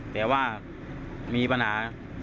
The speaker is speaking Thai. แต่ว่ามีปัญหา